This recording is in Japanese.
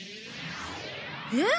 えっ？